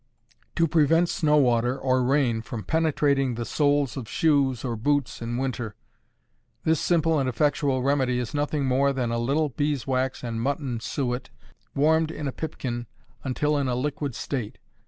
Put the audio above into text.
To Prevent Snow water or Rain from Penetrating the Soles of Shoes or Boots in Winter. This simple and effectual remedy is nothing more than a little beeswax and mutton suet, warmed in a pipkin until in a liquid state.